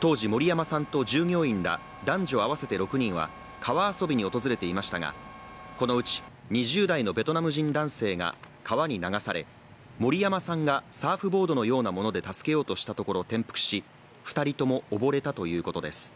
当時、森山さんと従業員ら男女合わせて６人は川遊びに訪れていましたが、このうち２０代のベトナム人男性が川に流され、森山さんがサーフボードのようなもので助けようとしたところ転覆し、２人とも溺れたということです。